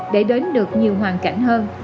để đến được nhiều hoàn cảnh hơn